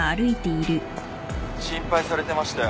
心配されてましたよ